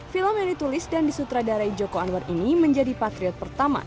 film yang ditulis dan disutradarai joko anwar ini menjadi patriot pertama